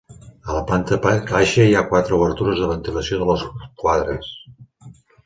A la planta baixa hi ha quatre obertures de ventilació de les quadres.